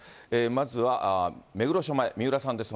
まずは目黒署前、三浦さんです。